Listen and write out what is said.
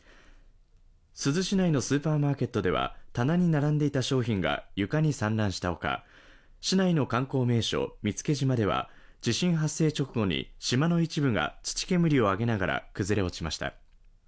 珠洲市内のスーパーマーケットでは棚に並んでいた商品が床に散乱したほか、市内の観光名所・見附島では地震発生直後に島の一部が土煙を上げながら崩れ落ちました。